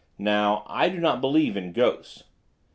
Now I do not believe in ghosts."